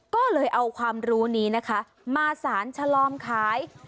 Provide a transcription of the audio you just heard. ก็เลยเอาความรู้นี้นะคะมาสารชะลอมขาย